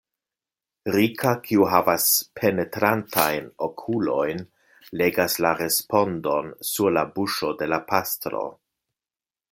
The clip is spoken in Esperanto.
Rika, kiu havas penetrantajn okulojn, legas la respondon sur la buŝo de la pastro.